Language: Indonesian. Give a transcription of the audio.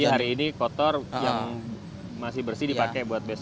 jadi hari ini kotor yang masih bersih dipakai buat besok